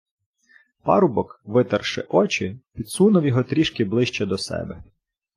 Парубок, витерши очі, підсунув його трошки ближче до себе.